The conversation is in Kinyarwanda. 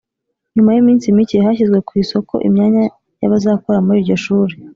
nyuma y’iminsi micye hashyizwe ku isoko imyanya y’abazakora muri iryo shuri,